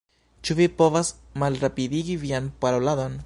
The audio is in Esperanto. Ĉu vi povas malrapidigi vian paroladon?